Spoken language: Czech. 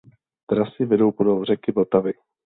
Trasy vedou podél řeky Vltavy.